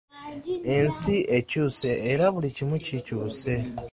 Ensi ekyuse era buli kimu kikyuse.